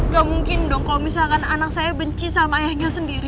gak mungkin dong kalau misalkan anak saya benci sama ayahnya sendiri